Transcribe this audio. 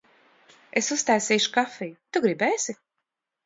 Es uztaisīšu kafiju. Tu gribēsi?